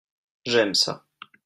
J'aime ça.